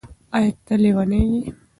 ایا ته لیونی یې؟